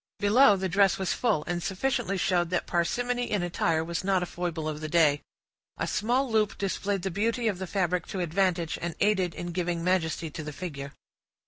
Below, the dress was full, and sufficiently showed that parsimony in attire was not a foible of the day. A small loop displayed the beauty of the fabric to advantage, and aided in giving majesty to the figure.